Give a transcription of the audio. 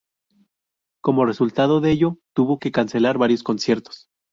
Como resultado de ello, tuvo que cancelar varios conciertos.